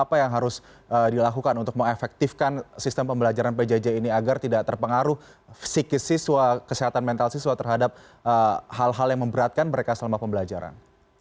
apa yang harus dilakukan untuk mengefektifkan sistem pembelajaran pjj ini agar tidak terpengaruh psikis siswa kesehatan mental siswa terhadap hal hal yang memberatkan mereka selama pembelajaran